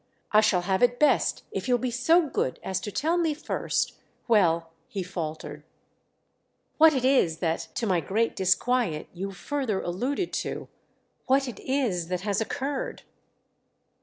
"I shall have it best if you'll be so good as to tell me first—well," he faltered, "what it is that, to my great disquiet, you've further alluded to; what it is that has occurred."